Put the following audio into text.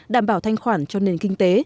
đảm bảo thanh khoản cho nền kinh tế